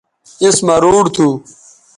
اس مہ روڈ تھو